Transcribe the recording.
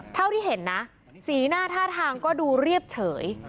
เท่าที่เห็นนะสีหน้าท่าทางก็ดูเรียบเฉย